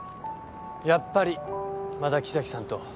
やっぱりまだ木崎さんと。